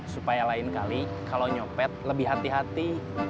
supaya lain kali kalau nyopet lebih hati hati